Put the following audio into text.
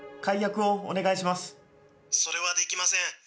☎それはできません。